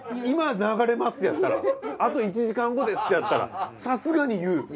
今流れますやったらあと１時間後ですやったらさすがに言う。